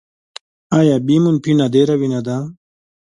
اې بي منفي نادره وینه ده